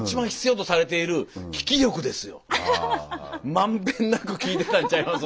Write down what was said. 満遍なく聞いてたんちゃいます？